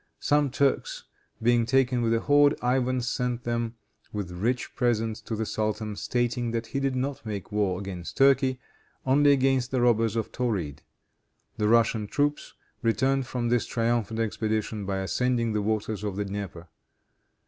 Some Turks being taken with the horde, Ivan sent them with rich presents to the sultan, stating that he did not make war against Turkey, only against the robbers of Tauride. The Russian troops returned from this triumphant expedition, by ascending the waters of the Dnieper.